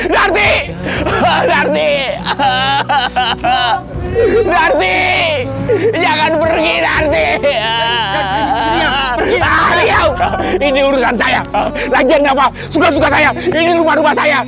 nanti jangan pergi nanti ini urusan saya lagi enggak pak suka suka saya ini rumah rumah saya